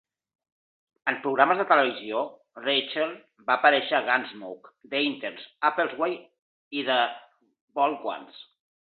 En programes de televisió, Reischl va aparèixer a "Gunsmoke", "The Interns", "Apple's Way" i "The Bold Ones".